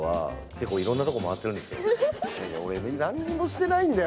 何にもしてないんだよ